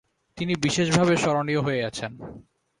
তিনি বিশেষভাবে স্মরণীয় হয়ে আছেন।